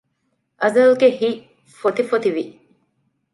އަޒަލްގެ ހިތް ފޮތިފޮތިވި